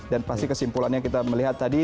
dan pasti kesimpulannya kita melihat tadi